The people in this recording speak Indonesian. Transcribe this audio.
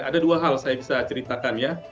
ada dua hal saya bisa ceritakan ya